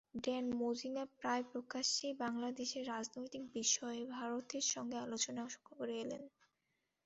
Dan Mozena প্রায় প্রকাশ্যেই বাংলাদেশের রাজনৈতিক বিষয়ে ভারতের সঙ্গে আলোচনা করে এলেন।